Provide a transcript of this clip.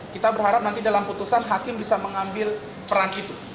kita berharap nanti dalam putusan hakim bisa mengambil peran itu